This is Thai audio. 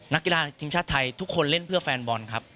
นักกีฬาทีมชาติไทยทุกคนเล่นเพื่อแฟนบอลครับ